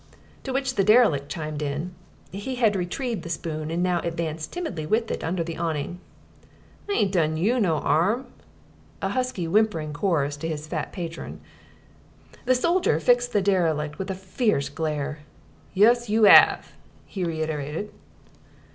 To which the derelict chimed in (he had retrieved the spoon and now advanced timidly with it under the awning): "I ain't done you no 'arm" a husky, whimpering chorus to his fat patron. The soldier fixed the derelict with a fierce glare. "Yus you 'ave," he reiterated.